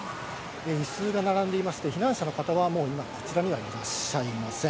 いすが並んでいまして、避難者の方は、もう今、こちらにはいらっしゃいません。